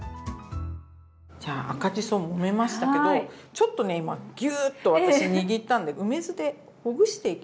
じゃあ赤じそもめましたけどちょっとね今ギューッと私握ったんで梅酢でほぐしていきます。